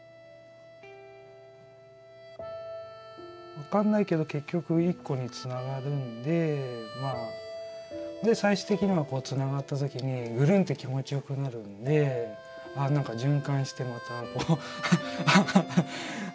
分かんないけど結局一個につながるんでまあ最終的にはつながったときにぐるんって気持ちよくなるんで何か循環してまたこう吐き出してまた何ですかねこう。